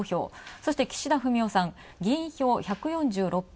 そして、岸田文雄さん、議員票１４６票。